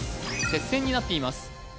接戦になっています